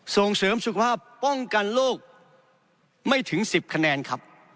ส่งเสริมสุขภาพป้องกันโลกไม่ถึง๑๐คะแนนครับ